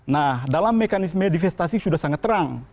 nah dalam mekanisme divestasi sudah sangat terang